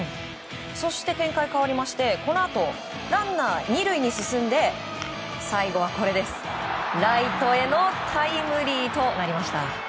そして展開が変わりこのあとランナー２塁に進んで最後はライトへのタイムリーとなりました。